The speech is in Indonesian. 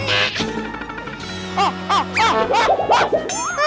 weh gak kena